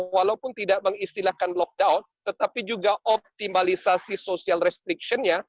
walaupun tidak mengistilahkan lockdown tetapi juga optimalisasi social restrictionnya